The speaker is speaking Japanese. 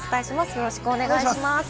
よろしくお願いします。